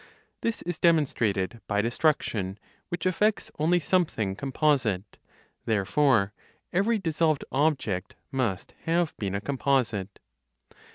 This is demonstrated by destruction, which affects only something composite; therefore every dissolved object must have been a composite.